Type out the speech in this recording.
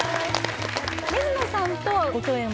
水野さんとはご共演は？